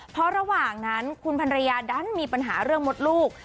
เพราะระหว่างนั้นคุณพันรยาดันมีปัญหาเรื่องมดลูก